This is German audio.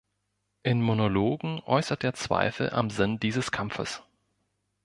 In Monologen äußert er Zweifel am Sinn dieses Kampfes.